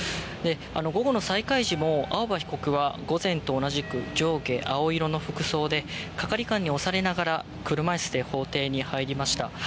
午後の再開時も青葉被告は午前と同じく上下青色の服装で係官に押されながら車いすで法廷に入りました。